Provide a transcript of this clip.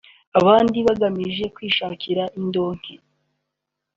n’abandi bagamije kwishakira indonke